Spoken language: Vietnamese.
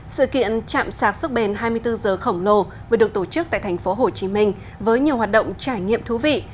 sự kiện chạm sạc sức bền hai mươi bốn h khổng lồ vừa được tổ chức tại thành phố hồ chí minh với nhiều hoạt động trải nghiệm thú vị